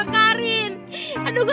tetapi ga enak ya sama si bella